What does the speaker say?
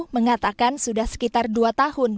mengatakan sudah sekitar dua tahun